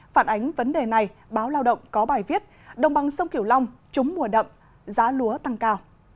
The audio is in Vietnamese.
phản ánh vấn đề này báo lao động có bài viết đồng bằng sông kiểu long trúng mùa đậm giá lúa tăng cao